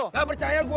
enggak percaya gue